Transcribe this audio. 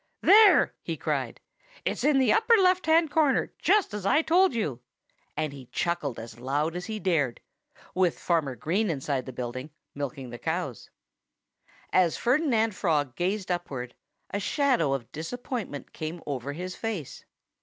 "There!" he cried. "It's in the upper left hand corner, just as I told you." And he chuckled as loud as he dared with Farmer Green inside the building, milking the cows. As Ferdinand Frog gazed upward a shadow of disappointment came over his face.